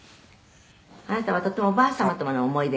「あなたはとってもおばあ様との思い出が」